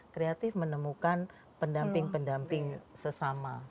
kreatif menemukan pendamping pendamping sesama